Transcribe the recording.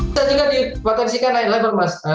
kita juga dipotensikan level mas